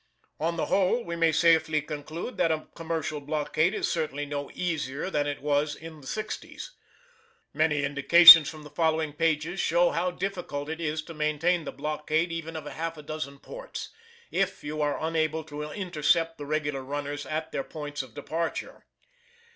On the whole we may safely conclude that a commercial blockade is certainly no easier than it was in the sixties. Many indications from the following pages show how difficult it is to maintain the blockade even of half a dozen ports, if you are unable to intercept the regular runners at their points of departure.